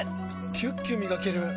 キュッキュ磨ける！